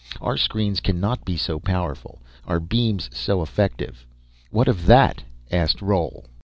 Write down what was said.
Our screens cannot be so powerful, our beams so effective. What of that?" asked Roal.